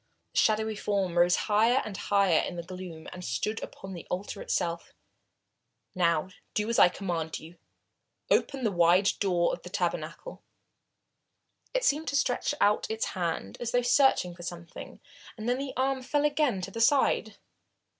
The shadowy form rose higher and higher in the gloom, and stood upon the altar itself. "Now do as I command you. Open wide the door of the tabernacle." Unorna watched the black form intently. It seemed to stretch out its hand as though searching for something, and then the arm fell again to the side.